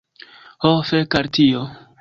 Ho, fek' al tio!